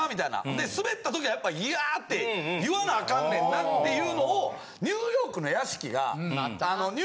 でスベった時はやっぱいやって言わなあかんねんなっていうのをニューヨークの屋敷が。